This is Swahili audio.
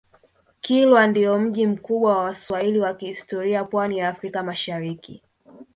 kilwa ndio mji mkubwa wa waswahili wa kihistoria pwani ya afrika mashariki